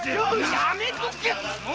やめとけ！